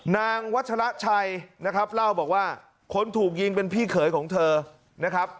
วัชละชัยนะครับเล่าบอกว่าคนถูกยิงเป็นพี่เขยของเธอนะครับ